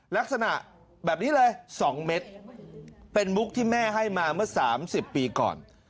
ลักษณะแบบนี้เลย๒เม็ดเป็นมุกที่แม่ให้มาเมื่อ๓๐ปีก่อน